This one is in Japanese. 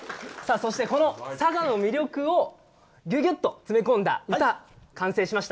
そして、佐賀の魅力をギュギュッと詰め込んだ歌が完成しました。